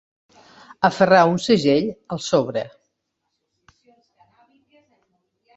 Aferrar un segell al sobre.